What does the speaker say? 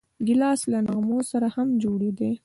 ګیلاس له نغمو سره هم جوړ دی.